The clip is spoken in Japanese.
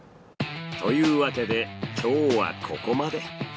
というわけで今日はここまで。